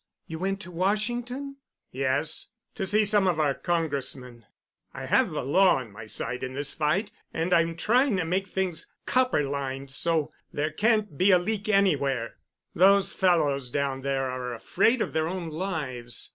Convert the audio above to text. You went to Washington?" "Yes—to see some of our congressmen. I have the law on my side in this fight, and I'm trying to make things copperlined—so there can't be a leak anywhere. Those fellows down there are afraid of their own lives.